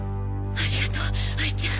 ありがとう哀ちゃん